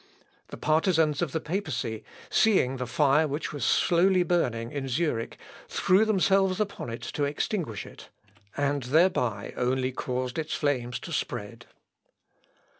The partisans of the papacy, seeing the fire which was slowly burning in Zurich, threw themselves upon it to extinguish it, and thereby only caused its flames to spread.